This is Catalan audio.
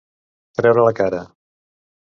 Treure la cara.